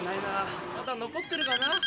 まだ残ってるかな？